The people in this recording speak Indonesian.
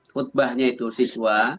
khutbahnya itu siswa